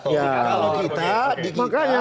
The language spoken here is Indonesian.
tidak naik naik itu barang